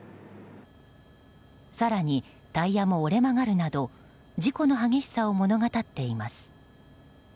更に、タイヤも折れ曲がるなど事故の激しさを物語っています。